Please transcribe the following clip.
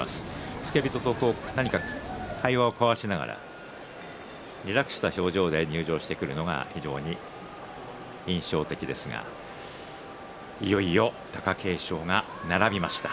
付け人と何か会話を交わしながらリラックスした表情で入場してくるのが非常に印象的ですがいよいよ貴景勝が並びました。